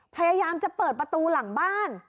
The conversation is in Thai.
พยายามจะเปิดประตูหลังบ้าน